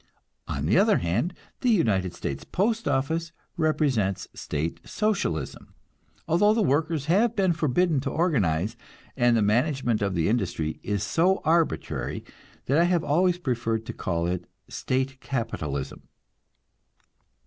On the other hand, the United States Postoffice represents State Socialism; although the workers have been forbidden to organize, and the management of the industry is so arbitrary that I have always preferred to call it State Capitalism.